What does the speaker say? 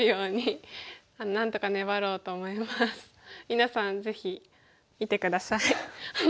みなさんぜひ見て下さい。